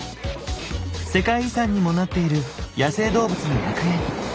世界遺産にもなっている野生動物の楽園。